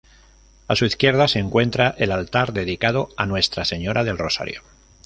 A su izquierda se encuentra el altar dedicado a Nuestra Señora del Rosario.